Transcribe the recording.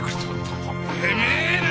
てめえな！